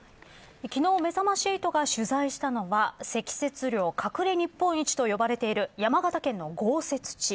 昨日めざまし８が取材したのは積雪量、隠れ日本一といわれている山形県の豪雪地。